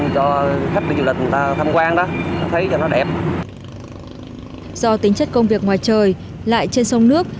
do tính chất công việc ngoài trời lại trên sông nước